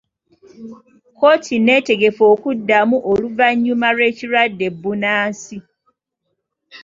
Kkooti neetegefu okuddamu oluvannyuma lw'ekirwadde bbunansi.